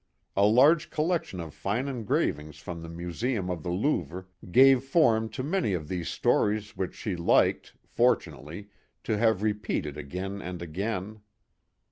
A large collection of fine engravings from the Museum of the Louvre gave form to many of these stories which she liked fortunately to have repeated again and again.